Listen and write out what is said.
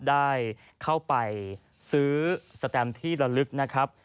ได้เข้าไปซื้อสแตมที่ละลึกนะครับ